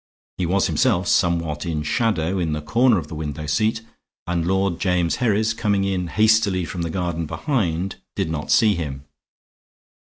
He was himself somewhat in shadow in the corner of the window seat; and Lord James Herries, coming in hastily from the garden behind, did not see him.